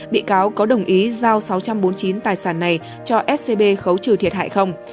bị cáo có đồng ý giao sáu trăm bốn mươi chín tài sản này cho scb khấu trừ thiệt hại không